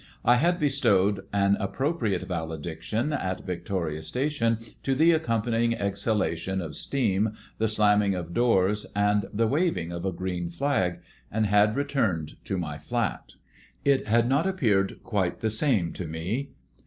I had bestowed an appropriate valediction at Victoria Station to the accompanying exhalation of steam, the slamming of doors, and the waving of a green flag, and had returned to my flat. It had not appeared quite the same to me.